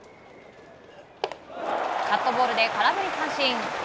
カットボールで空振り三振！